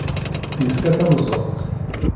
Yefka tameẓẓuɣt.